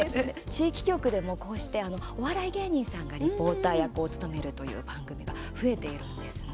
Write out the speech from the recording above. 地域局でも、こうしてお笑い芸人さんがリポーター役を務めるという番組が増えているんですね。